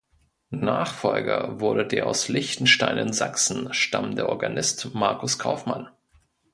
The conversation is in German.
Nachfolger wurde der aus Lichtenstein in Sachsen stammende Organist Markus Kaufmann.